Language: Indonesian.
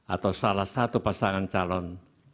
atau salah satu pasangan calon